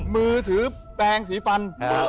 มือถือแปลงสีฟัน